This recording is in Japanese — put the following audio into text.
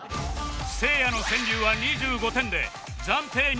せいやの川柳は２５点で暫定２位という結果に